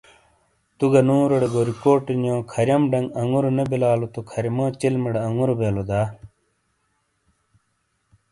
تو گہ نوروٹے گوریکوٹ نیو کھریم ڈنگ انگوروں نے بلالو تو کھریمو چلمٹے آنگورو بیلو دا۔